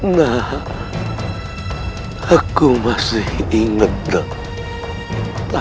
nah aku masih ingatlah